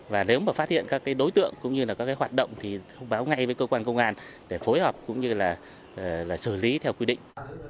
và nếu mà phát hiện các đối tượng cũng như là các hoạt động thì thông báo ngay với cơ quan công an để phối hợp cũng như là xử lý theo quy định